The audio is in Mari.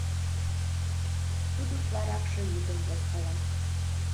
— Тудо утларакше йӱдым возкала.